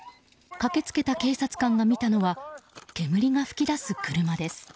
駆け付けた警察官が見たのは煙が噴き出す車です。